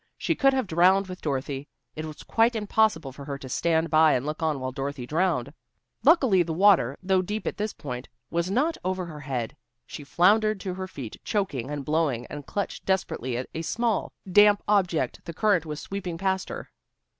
She could have drowned with Dorothy. It was quite impossible for her to stand by and look on while Dorothy drowned. Luckily the water, though deep at this point, was not over her head. She floundered to her feet choking and blowing, and clutched desperately at a small, damp object the current was sweeping past her.